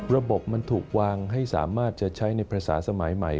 ระบบมันถูกวางให้สามารถจะใช้ในภาษาสมัยใหม่